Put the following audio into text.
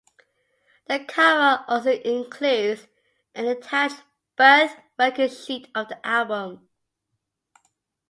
The cover also includes an attached "birth record sheet" of the album.